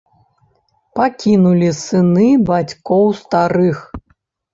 Пакінулі сыны бацькоў старых.